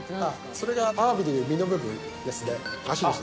それがアワビでいう身の部分ですね。